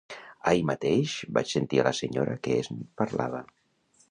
Ahir mateix vaig sentir a la senyora que en parlava.